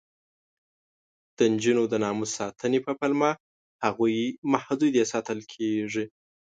د نجونو د ناموس ساتنې په پلمه هغوی محدودې ساتل کېږي.